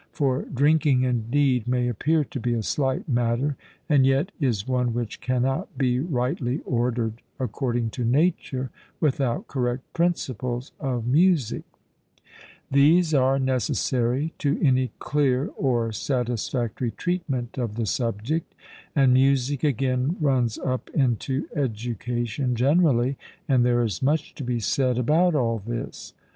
For drinking indeed may appear to be a slight matter, and yet is one which cannot be rightly ordered according to nature, without correct principles of music; these are necessary to any clear or satisfactory treatment of the subject, and music again runs up into education generally, and there is much to be said about all this.